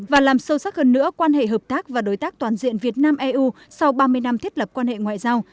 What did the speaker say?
và làm sâu sắc hơn nữa quan hệ hợp tác và đối tác toàn diện việt nam eu sau ba mươi năm thiết lập quan hệ ngoại giao